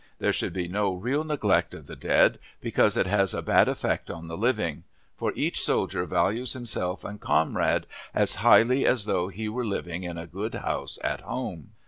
There should be no real neglect of the dead, because it has a bad effect on the living; for each soldier values himself and comrade as highly as though he were living in a good house at home.